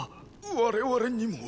我々にも。